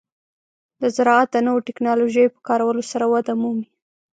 د زراعت د نوو ټکنالوژیو په کارولو سره وده مومي.